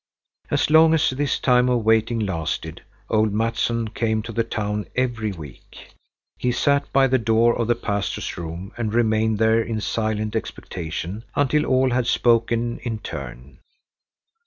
As long as this time of waiting lasted, old Mattsson came to the town every week. He sat by the door of the pastor's room and remained there in silent expectation until all had spoken in turn.